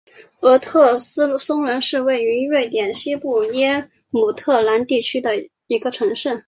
厄斯特松德是位于瑞典西部耶姆特兰地区的一个城市。